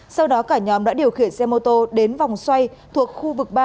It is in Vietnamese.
sau đó cả nhóm đã điều khiển xe mô tô đến vòng xoay thuộc khu vực ba